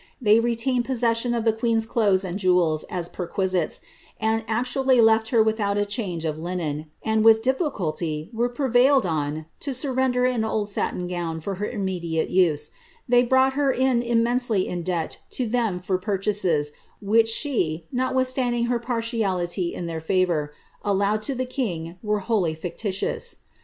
They toined possession of the queen's clothes and jewels as perquisites, and laally left her without a change of linen, and with difficulqr wera pre* died on to surrender an old satin gown for her immediate use ; they roQght her in immensely in debt to them for purchases, which she lotwilhstanding her partiality in their favour,) allowed to the king ere wholly fictitious.